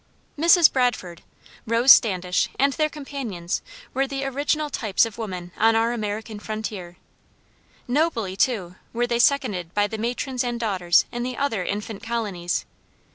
Mrs. Bradford, Rose Standish, and their companions were the original types of women on our American frontier. Nobly, too, were they seconded by the matrons and daughters in the other infant colonies.